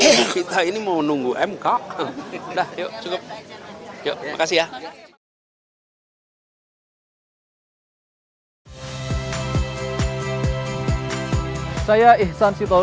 kalau dari mas anies sendiri melihat seperti apa prediksinya